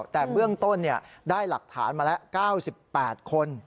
แต่เบื้องต้นได้หลักฐานมาแล้ว๙๘คน